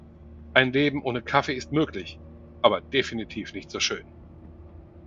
Ein Leben ohne Kaffee ist möglich, aber definitiv nicht so schön.